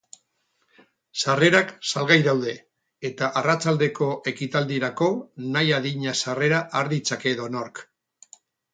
Sarrerak salgai daude, eta arratsaldeko ekitaldirako nahi adina sarrera har ditzake edonork.